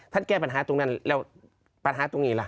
ท่านแก้ปัญหาตรงนั้นแล้วปัญหาตรงนี้เหรอ